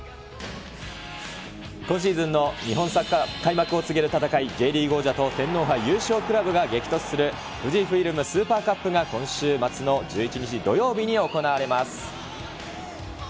今シーズンの日本サッカー開幕を告げる戦い、Ｊリーグ王者との天皇杯優勝クラブが激突するフジフィルムスーパーカップが、今週末の１１日土曜日に行われます。